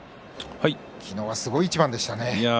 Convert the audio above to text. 昨日はすごい一番でしたね。